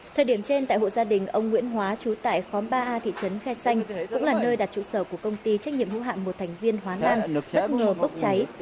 thời điểm trên tại hộ gia đình ông nguyễn hóa trú tại khóm ba a thị trấn khe xanh cũng là nơi đặt trụ sở của công ty trách nhiệm hữu hạm một thành viên hóa đăng bất ngờ bốc cháy